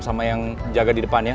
sama yang jaga di depannya